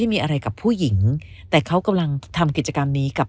มีอะไรกับผู้หญิงแต่เขากำลังทำกิจกรรมนี้กับ